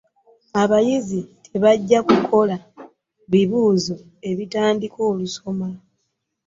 Abayizi tebajja kukola bibuuzo ebitandika olusoma.